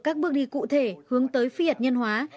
các bước đi cụ thể hướng tới phi hạt nhân hóa